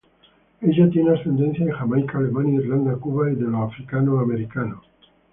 Ella tiene ascendencia de Jamaica, Alemania, Irlanda, Cuba y de los Africanos-Americanos.